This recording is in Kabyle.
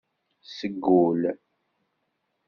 Seg ul.